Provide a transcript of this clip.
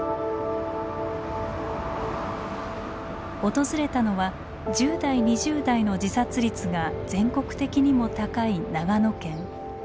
訪れたのは１０代２０代の自殺率が全国的にも高い長野県。